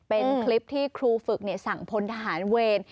เป็นคลิปที่ครูฝึกสั่งพลทหารเวร